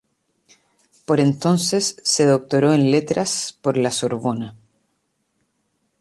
Por entonces se doctoró en letras por la Sorbona.